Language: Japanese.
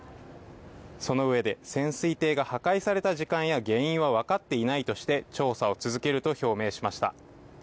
その上で、潜水艇が破壊された時間や原因はわかっていないとして調査を続けると表明しました。